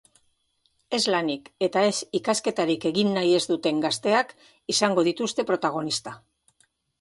Ez lanik eta ez ikasketarik egin nahi ez duten gazteak izango dituzte protagonista.